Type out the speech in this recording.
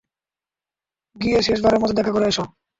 গিয়ে শেষবারের মতো দেখা করে এসো।